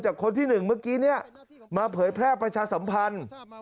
คนที่๑เมื่อกี้มาเผยแพร่ประชาสัมพันธ์